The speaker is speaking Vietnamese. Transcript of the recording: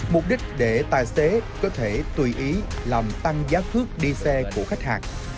mục đích để tài xế có thể tùy ý làm tăng giá cước đi xe của khách hàng